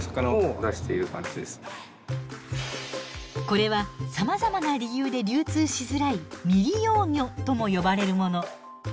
これはさまざまな理由で流通しづらい未利用魚とも呼ばれるもの。